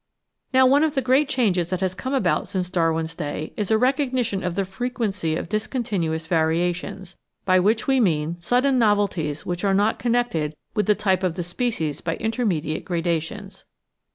Now one of the great changes that has come about since Darwin's day is a recognition of the frequency of discontinuous variations, by which we mean sudden novelties which are not 872 The Outline of Science connected with the type of the species by intermediate gradations.